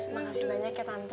makasih banyak ya tante